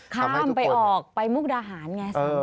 ทำให้ทุกคนคร่ามไปออกไปมุกดาหารไง